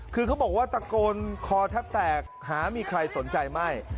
คือเขาบอกว่าตะโกนคอแทบแตกหามีใครสนใจไม่